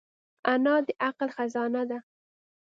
انا د عقل خزانه ده